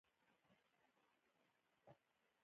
زه د خپلي کورنۍ ملاتړ کوم.